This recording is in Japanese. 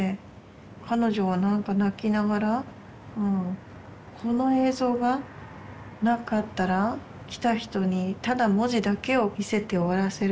彼女はなんか泣きながら「この映像がなかったら来た人にただ文字だけを見せて終わらせる。